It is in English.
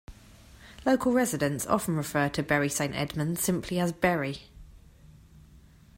Local residents often refer to Bury Saint Edmunds simply as "Bury".